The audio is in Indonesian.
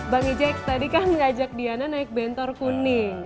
bang ijek tadi kan mengajak diana naik bentor kuning